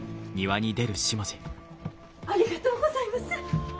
ありがとうございます！